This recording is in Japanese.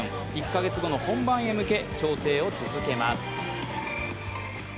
１カ月後の本番へ向け、調整を続けます。